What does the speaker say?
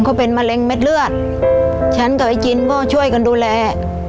เขาเป็นมะเร็งเม็ดเลือดฉันกับไอ้จินก็ช่วยกันดูแล